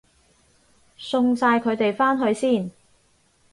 送晒佢哋返去先